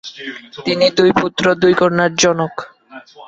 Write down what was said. তিনি দুই পুত্র, দুই কন্যার জনক।